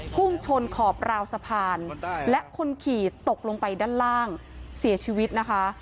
พุ่งชนขอบราวสะพานและคนขี่ตกลงไปด้านล่างเสียชีวิตนะคะ